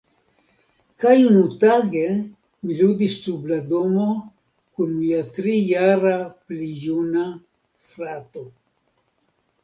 Kaj unutage, mi ludis sub la domo kun mia tri-jara-plijuna frato.